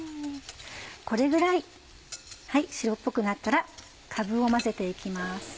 これぐらい白っぽくなったらかぶを混ぜて行きます。